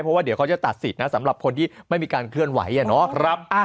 เพราะว่าเดี๋ยวเขาจะตัดสิทธิ์นะสำหรับคนที่ไม่มีการเคลื่อนไหวเนาะ